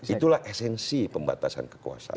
itulah esensi pembatasan kekuasaan